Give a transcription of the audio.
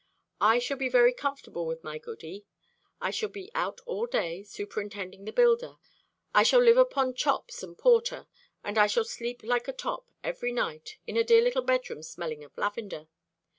I shall be very comfortable with my goody. I shall be out all day, superintending the builder. I shall live upon chops and porter; and I shall sleep like a top every night, in a dear little bedroom smelling of lavender.